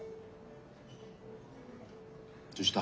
どうした？